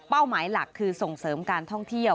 หมายหลักคือส่งเสริมการท่องเที่ยว